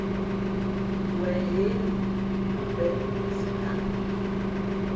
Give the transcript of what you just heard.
Wen hě nu, a pēn si tāʼ.